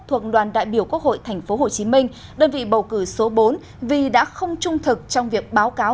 thuộc đoàn đại biểu quốc hội tp hcm đơn vị bầu cử số bốn vì đã không trung thực trong việc báo cáo